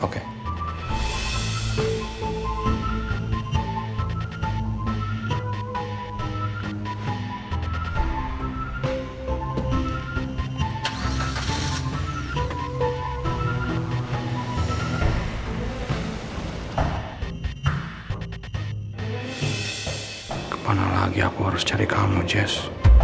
kapan lagi aku harus cari kamu jess